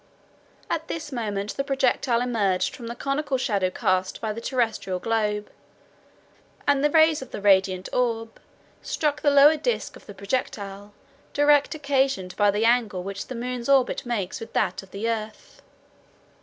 At this moment the projectile emerged from the conical shadow cast by the terrestrial globe, and the rays of the radiant orb struck the lower disc of the projectile direct occasioned by the angle which the moon's orbit makes with that of the earth.